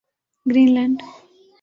green land